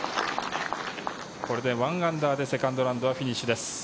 これで１アンダーでセカンドラウンドはフィニッシュです。